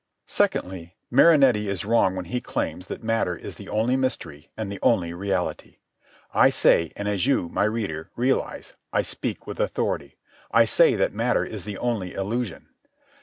Secondly, Marinetti is wrong when he claims that matter is the only mystery and the only reality. I say and as you, my reader, realize, I speak with authority—I say that matter is the only illusion.